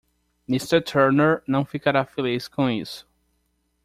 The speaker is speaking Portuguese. Mister Turner não ficará feliz com isso.